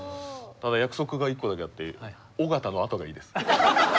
ただ約束が１個だけあって尾形の後がいいです。